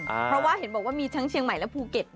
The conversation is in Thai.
เพราะว่าเห็นบอกว่ามีทั้งเชียงใหม่และภูเก็ต